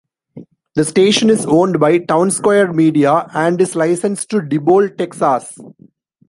The station is owned by Townsquare Media and is licensed to Diboll, Texas.